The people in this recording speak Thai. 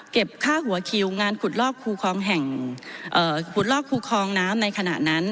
เก็บฆ่าหัวคิวงานขุดลอกครูคองน้ำในขณะนั้น